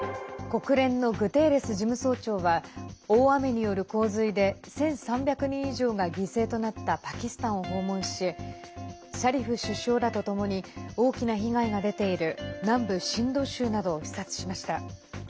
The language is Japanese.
国連のグテーレス事務総長は大雨による洪水で１３００人以上が犠牲となったパキスタンを訪問しシャリフ首相らとともに大きな被害が出ている南部シンド州などを視察しました。